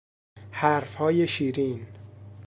حرفهای شیرین